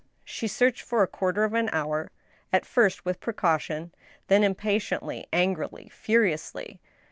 She searched for a quarter of an hour, at first with precaution, then impatiently, angrily, furiously.